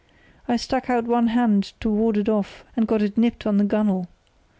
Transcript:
I stuck out one hand to ward it off and got it nipped on the gunwale.